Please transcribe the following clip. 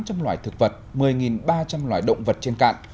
với ba tám trăm linh loài thực vật một mươi ba trăm linh loài động vật trên cạn